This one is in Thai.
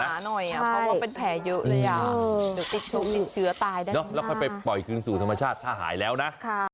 เพราะว่าเป็นแผลเยอะเลยอ่ะเดี๋ยวติดเชื้อตายได้เนอะแล้วค่อยไปปล่อยคืนสู่ธรรมชาติถ้าหายแล้วนะ